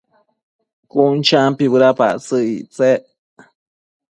Cun champi bëdapactsëc ictsec